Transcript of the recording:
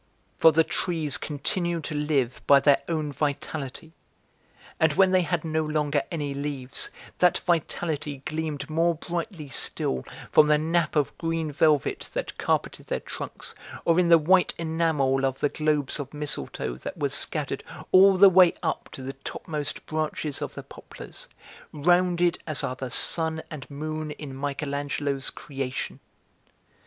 For the trees continued to live by their own vitality, and when they had no longer any leaves, that vitality gleamed more brightly still from the nap of green velvet that carpeted their trunks, or in the white enamel of the globes of mistletoe that were scattered all the way up to the topmost branches of the poplars, rounded as are the sun and moon in Michelangelo's 'Creation.'